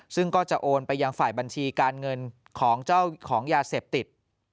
ซึ่งก็จะโอนไปยังฝ่ายบัญชีการเงินของเจ้าของยาเสพติด